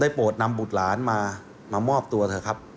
โปรดนำบุตรหลานมามามอบตัวเถอะครับ